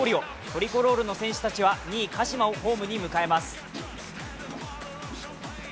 トリコロールの戦士たちは２位・鹿島をホームに迎えます。